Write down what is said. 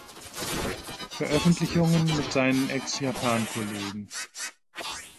Veröffentlichungen mit seinen Ex-Japan-Kollegen.